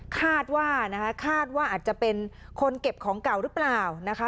คาดว่านะคะคาดว่าอาจจะเป็นคนเก็บของเก่าหรือเปล่านะคะ